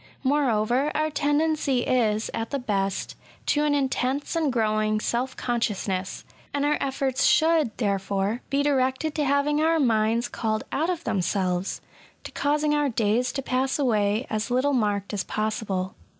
Moreover, our tendency is, at the best, to an intense and growing self conscious ness, and our efforts should, therefore, be directed to having our minds called out of themselves — ^to causing our days to pass away as little marked as possible.